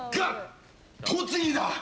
栃木だ！